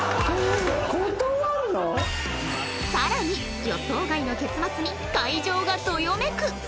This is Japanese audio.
さらに予想外の結末に会場がどよめく！